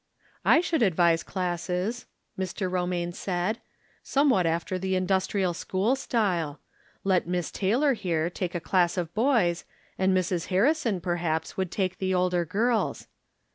" I should advise classes," Mr. Romaine said, " somewhat after the industrial school style. Leb Miss Taylor, here, take a class of boys, and Mrs. Harrison perhaps would take the older girls."